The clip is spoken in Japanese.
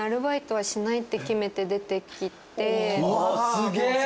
すげえ。